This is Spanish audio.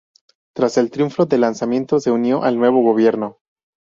Tras el triunfo del alzamiento se unió al nuevo gobierno.